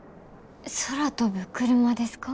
空飛ぶクルマですか？